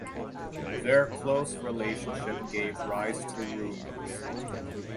Their close relationship gave rise to rumors.